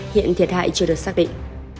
hiện thiệt hại chưa được xác định